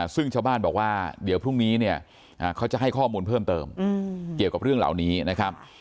ซึ่งชาวบ้านบอกว่าเดี๋ยวพรุ่งนี้เนี่ยเขาจะให้ข้อมูลเพิ่มเติมเกี่ยวกับเรื่องเหล่านี้นะครับ